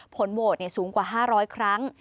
ผลโหวตสูงกว่า๕๐๐ครั้ง